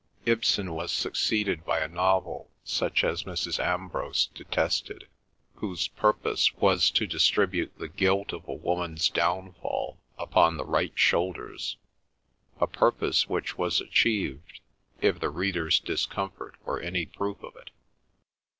Ibsen was succeeded by a novel such as Mrs. Ambrose detested, whose purpose was to distribute the guilt of a woman's downfall upon the right shoulders; a purpose which was achieved, if the reader's discomfort were any proof of it.